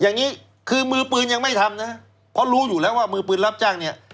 อย่างนี้คือมือปืนยังไม่ทำนะเพราะรู้อยู่แล้วว่ามือปืนรับจ้างเนี่ย